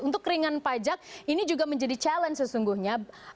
untuk ringan pajak ini juga menjadi challenge sesungguhnya